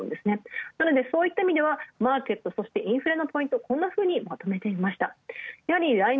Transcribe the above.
そういった意味ではマーケット、インフレのポイント、こんなふうにまとめてみました。